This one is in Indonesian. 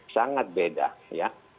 sangat beda ya